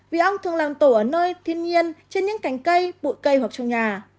vì ong thường làm tổ ở nơi thiên nhiên trên những cánh cây bụi cây hoặc trong nhà